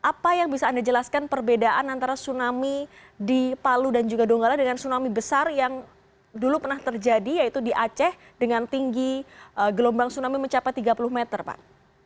apa yang bisa anda jelaskan perbedaan antara tsunami di palu dan juga donggala dengan tsunami besar yang dulu pernah terjadi yaitu di aceh dengan tinggi gelombang tsunami mencapai tiga puluh meter pak